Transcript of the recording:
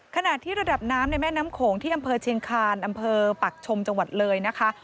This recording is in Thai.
ขณะที่ระดับน้ำในแม่น้ำโขงที่อำเภอเชียงคานอำเภอปักชมจังหวัดเลยนะคะ